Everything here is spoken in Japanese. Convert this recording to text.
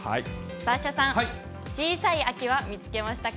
サッシャさん、小さい秋は見つけましたか？